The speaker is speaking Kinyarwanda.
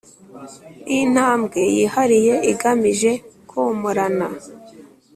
ni intambwe yihariye igamije komorana